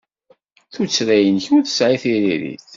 Tuttra-nnek ur tesɛi tiririt.